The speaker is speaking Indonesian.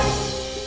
aku sudah selesai